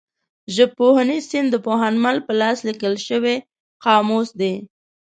ژبپوهنیز سیند د پوهنمل په لاس لیکل شوی قاموس دی.